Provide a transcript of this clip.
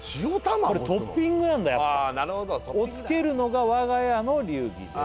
これトッピングなんだやっぱ「をつけるのが我が家の流儀です」